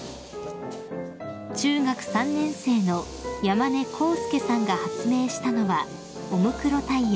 ［中学３年生の山根康輔さんが発明したのはオムクロタイヤ］